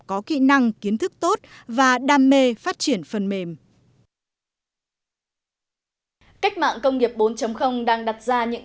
có kỹ năng kiến thức tốt và đam mê phát triển phần mềm cách mạng công nghiệp bốn đang đặt ra những